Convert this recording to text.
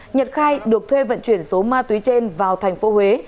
nhật khai được thuê vận chuyển số ma túy trên vào thành phố huế